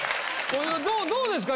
どうですか？